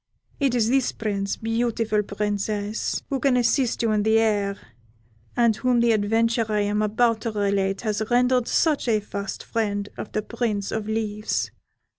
It is this Prince, beautiful Princess, who can assist you in the air, and whom the adventure I am about to relate has rendered such a fast friend of the Prince of Leaves.